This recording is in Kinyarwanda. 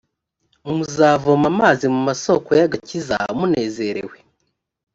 muzavoma amazi mu masoko y’agakiza munezerewe